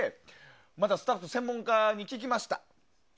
スタッフ専門家に聞きました。